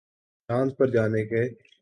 چاند پر جانے کے